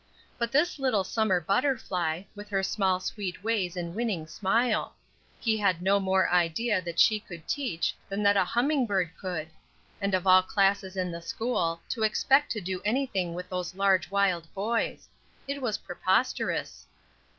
But this little summer butterfly, with her small sweet ways and winning smile! He had no more idea that she could teach than that a humming bird could; and of all classes in the school, to expect to do anything with those large wild boys! It was preposterous.